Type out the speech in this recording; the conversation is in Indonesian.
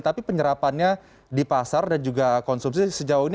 tapi penyerapannya di pasar dan juga konsumsi sejauh ini